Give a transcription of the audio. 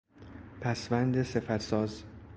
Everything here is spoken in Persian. پسوند صفتساز